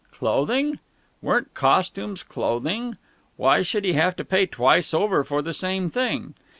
Clothing! Weren't costumes clothing? Why should he have to pay twice over for the same thing?